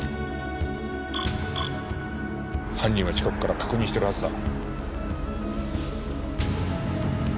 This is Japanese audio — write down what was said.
犯人は近くから確認してるはずだ。